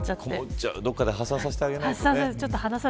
どこかで発散させてあげないと。